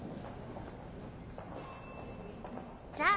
じゃあ。